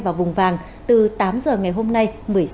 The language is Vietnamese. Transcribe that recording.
và vùng vàng từ tám giờ ngày hôm nay